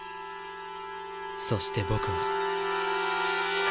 「そして僕は」